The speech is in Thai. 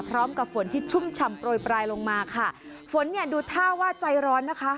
ฝนที่ชุ่มฉ่ำโปรยปลายลงมาค่ะฝนเนี่ยดูท่าว่าใจร้อนนะคะ